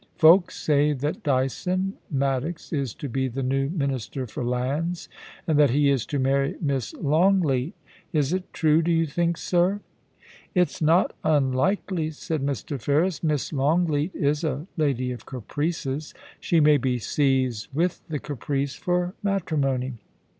' Folks say that Dyson Maddox is to be the new Minister for Lands, and that he is to marry Miss Longleat Is it true, do you think, sir ?It's not unlikely,' said Mr. Ferris. ' Miss longleat is a lady of caprices. She may be seized with the caprice for matrimony.